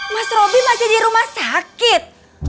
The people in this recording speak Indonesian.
mas robby masih di rumah sakit